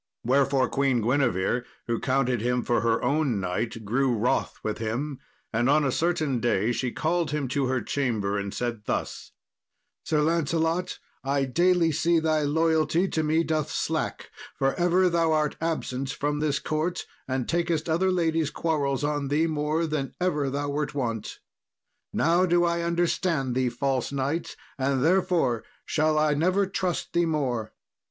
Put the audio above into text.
Wherefore Queen Guinevere, who counted him for her own knight, grew wroth with him, and on a certain day she called him to her chamber, and said thus: "Sir Lancelot, I daily see thy loyalty to me doth slack, for ever thou art absent from this court, and takest other ladies' quarrels on thee more than ever thou wert wont. Now do I understand thee, false knight, and therefore shall I never trust thee more.